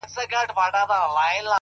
ته به په فکر وې، چي څنگه خرابيږي ژوند،